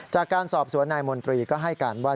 จากการสอบสวนนายมนตรีก็ให้การว่า